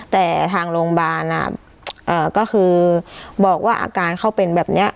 แต่ทางโรงพยาบาลก็คือบอกว่าอาการเขาเป็นแบบนี้